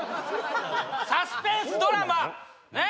サスペンスドラマねっ